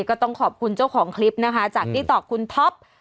ก็ต้องขอบคุณเจ้าของคลิปนะคะจากที่ตอบคุณท็อป